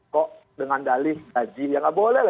kok dengan dalih gaji ya nggak boleh lah